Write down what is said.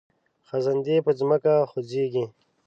خزندې په ځمکه خوځیږي